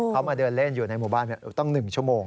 เขามาเดินเล่นอยู่ในหมู่บ้านตั้ง๑ชั่วโมง